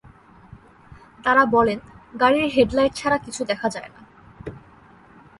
তাঁরা বলেন, গাড়ির হেডলাইট ছাড়া কিছু দেখা যায় না।